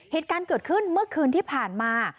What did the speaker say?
เหตุการณ์เกิดขึ้นเมื่อคืนที่ผ่านมา